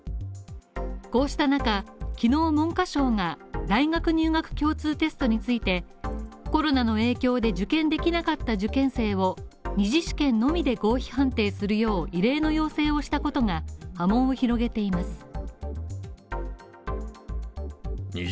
こうした中、昨日、文科省が大学入学共通テストについて、コロナの影響で受験できなかった受験生を二次試験のみで合否判定するよう異例の要請をしたことが波紋を広げています。